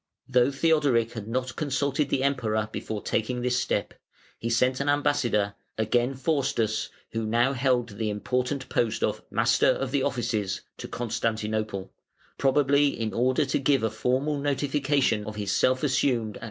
57.] Though Theodoric had not consulted the Emperor before taking this step, he sent an ambassador, again Faustus, who now held the important post of "Master of the Offices", to Constantinople, probably in order to give a formal notification of his self assumed accession of dignity.